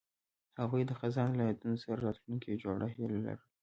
هغوی د خزان له یادونو سره راتلونکی جوړولو هیله لرله.